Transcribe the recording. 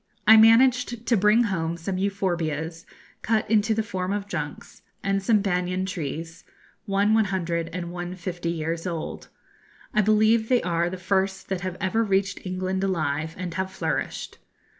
I managed to bring home some euphorbias, cut into the form of junks, and some banyan trees, one 100 and one 50 years old. I believe they are the first that have ever reached England alive and have flourished.